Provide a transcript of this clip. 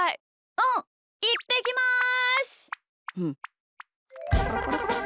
うんいってきます！